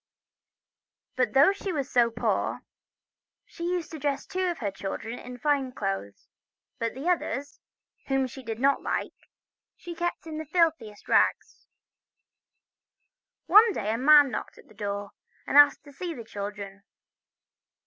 But though she was so poor, she used to dress two of her children in fine clothes ; but the others, whom she did not like, she kept in the filthiest rags. One day a man knocked at her door, and asked to see the children.